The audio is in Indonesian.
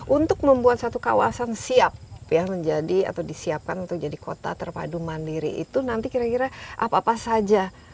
untuk membuat satu kawasan siap menjadi atau disiapkan untuk jadi kota terpadu mandiri itu nanti kira kira apa apa saja